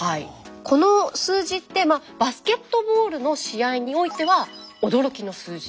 この数字ってバスケットボールの試合においては驚きの数字。